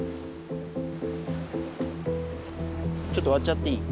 ちょっとわっちゃっていい？